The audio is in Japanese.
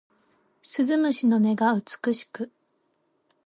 鈴虫の音が美しく